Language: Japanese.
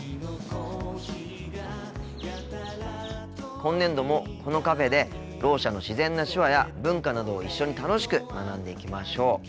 今年度もこのカフェでろう者の自然な手話や文化などを一緒に楽しく学んでいきましょう。